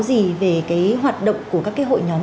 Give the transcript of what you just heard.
gì về cái hoạt động của các cái hội nhóm